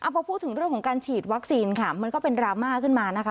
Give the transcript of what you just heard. พอพูดถึงเรื่องของการฉีดวัคซีนค่ะมันก็เป็นดราม่าขึ้นมานะคะ